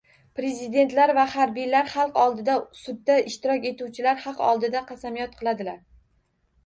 Prezidentlar va harbiylar xalq oldida, sudda ishtirok etuvchilar Haq oldida qasamyod qiladi.